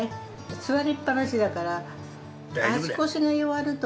座りっぱなしだから足腰が弱ると。